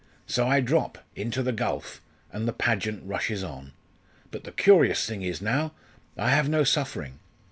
So I drop into the gulf and the pageant rushes on. But the curious thing is now I have no suffering.